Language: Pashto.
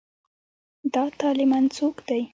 دا طالېمن څوک دی.